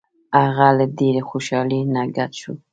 هغه له ډیرې خوشحالۍ نه ګډ شو.